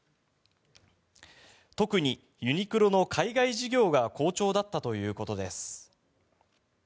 特にユニクロの海外事業が好調だったということです。